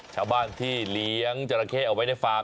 ชาวบ้านที่เลี้ยงจราเข้เอาไว้ในฟาร์